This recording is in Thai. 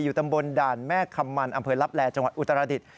ตำบลด่านแม่คำมันอำเภอลับแลจังหวัดอุตรดิษฐ